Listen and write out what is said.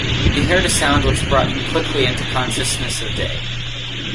He heard a sound which brought him quickly into consciousness of day.